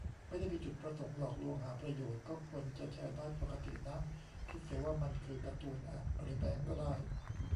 ไม่ได้มีจุดประสงค์หลอกลวงหาประโยชน์ ก็ควรจะแชร์ได้ปกตินะ คิดเสียว่ามันคือการ์ตูนอะ หรือแบงค์ก็ได้